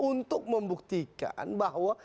untuk membuktikan bahwa